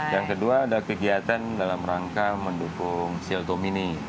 yang kedua ada kegiatan dalam rangka mendukung shield domini